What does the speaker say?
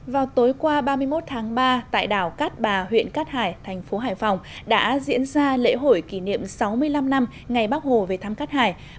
vào tối qua ba mươi một tháng ba tại đảo cát bà huyện cát hải thành phố hải phòng đã diễn ra lễ hội kỷ niệm sáu mươi năm năm ngày bắc hồ về thám cát hải